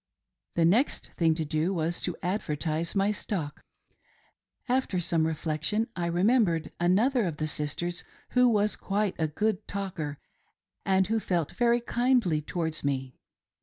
The next thing to do was to advertise my stock. After some reflectien, I remembered another of the sisters, who was quite a good talker, and who felt very kindly towards me.